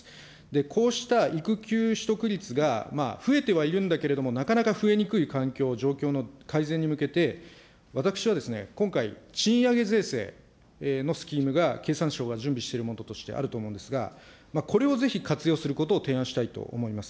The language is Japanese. こうした育休取得率が増えてはいるんだけれども、なかなか増えにくい環境、状況の改善に向けて、私はですね、今回、賃上げ税制のスキームが、経産省が準備しているものとしてあると思うんですが、これをぜひ活用することを提案したいと思います。